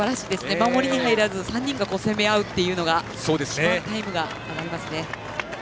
守りに入らず３人が攻め合うというのが一番タイムが上がりますね。